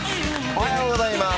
おはようございます。